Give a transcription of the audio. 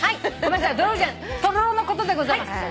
泥じゃないとろろのことでございます。